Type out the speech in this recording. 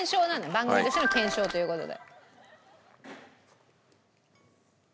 番組としての検証という事で。